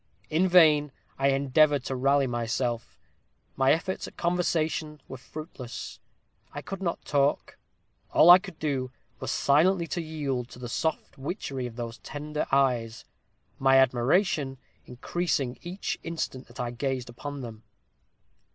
In vain I endeavored to rally myself; my efforts at conversation were fruitless; I could not talk all I could do was silently to yield to the soft witchery of those tender eyes; my admiration increasing each instant that I gazed upon them.